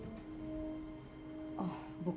itu yang dokter mengatakan